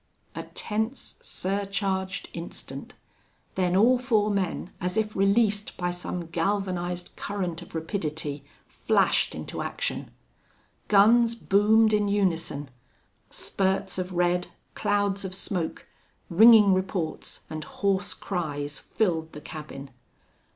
A tense, surcharged instant then all four men, as if released by some galvanized current of rapidity, flashed into action. Guns boomed in unison. Spurts of red, clouds of smoke, ringing reports, and hoarse cries filled the cabin.